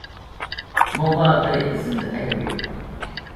Mobile Bay is in area.